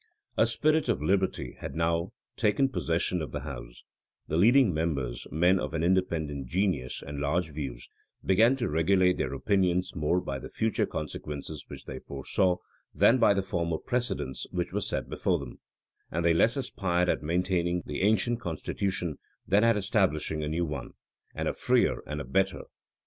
A spirit of liberty had now taken possession of the house: the leading members, men of an independent genius and large views, began to regulate their opinions more by the future consequences which they foresaw, than by the former precedents which were set before them; and they less aspired at maintaining the ancient constitution, than at establishing a new one, and a freer, and a better.